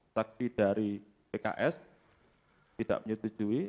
takdi dari pks tidak menyetujui